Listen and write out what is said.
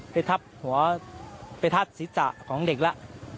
ไปทับหัวไปทับศีรษะของเด็กแล้ว